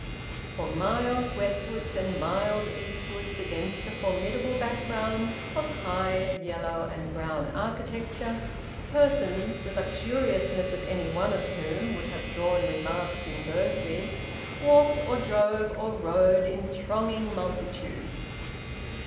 For miles westwards and miles eastwards, against a formidable background of high, yellow and brown architecture, persons the luxuriousness of any one of whom would have drawn remarks in Bursley, walked or drove or rode in thronging multitudes.